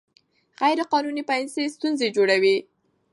غیر قانوني پیسې ستونزې جوړوي.